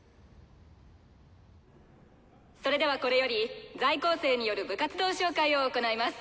それではこれより在校生による部活動紹介を行います。